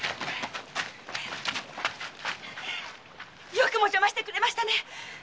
よくも邪魔をしてくれましたね！